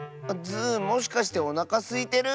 ズーもしかしておなかすいてる？